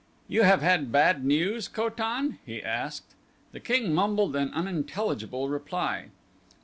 "You have had bad news, Ko tan?" he asked. The king mumbled an unintelligible reply.